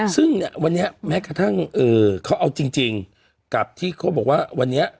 ซึ่งเนี่ยวันนี้แม้กระทั่งเขาเอาจริงกับที่เขาบอกว่าวันนี้